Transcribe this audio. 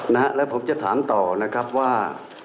นะครับและผมจะถามต่อนะครับว่า